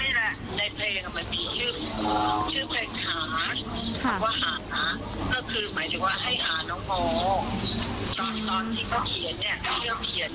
ตอนที่เขาเขียนเนี่ยเมื่อเขียนเนี่ย